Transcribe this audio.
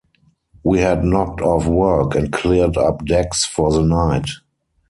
We had knocked off work and cleared up decks for the night.